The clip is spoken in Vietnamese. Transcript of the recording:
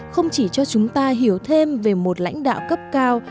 không chỉ cho chúng ta hiểu thêm về một lãnh đạo cấp cao